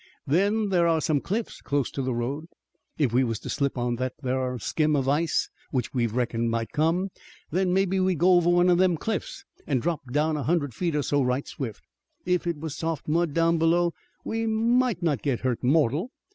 Then thar are some cliffs close to the road. If we was to slip on that thar skim of ice which we've reckoned might come, then mebbe we'd go over one of them cliffs and drop down a hundred feet or so right swift. If it was soft mud down below we might not get hurt mortal.